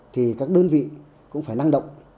thì các đơn vị cũng phải năng động